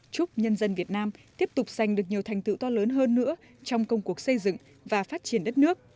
chúc nhân dân việt nam tiếp tục giành được nhiều thành tựu to lớn hơn nữa trong công cuộc xây dựng và phát triển đất nước